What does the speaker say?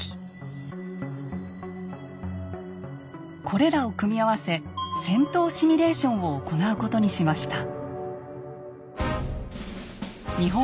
これらを組み合わせ戦闘シミュレーションを行うことにしました。